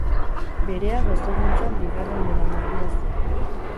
Berea gozogintzan bigarren belaunaldia zen.